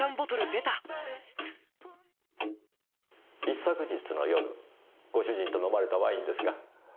一昨日の夜ご主人と飲まれたワインですが。